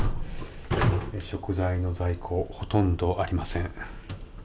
食材の在庫ほとんどありません。